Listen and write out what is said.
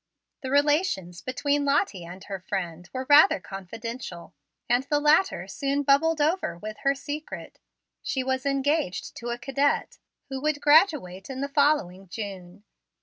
The relations between Lottie and her friend were rather confidential, and the latter soon bubbled over with her secret. She was engaged to a cadet, who would graduate in the following June.